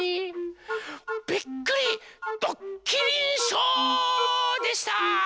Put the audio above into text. びっくりどっきりショーでした！